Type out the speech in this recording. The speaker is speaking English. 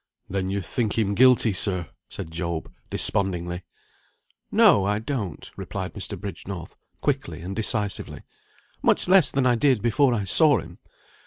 "Then you think him guilty, sir?" said Job, despondingly. "No, I don't," replied Mr. Bridgenorth, quickly and decisively. "Much less than I did before I saw him.